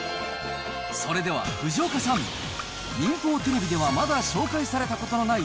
それでは藤岡さん、民放テレビではまだ紹介されたことのない